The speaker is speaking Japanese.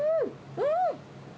うん！